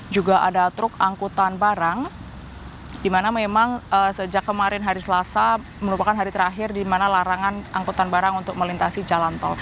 juga ada truk angkutan barang di mana memang sejak kemarin hari selasa merupakan hari terakhir di mana larangan angkutan barang untuk melintasi jalan tol